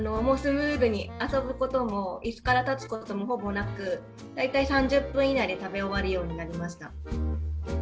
もうスムーズに遊ぶこともいすから立つこともほぼなく大体３０分以内で食べ終わるようになりました。